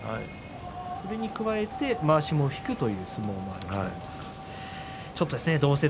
それに加えてまわしを引くという相撲もあります。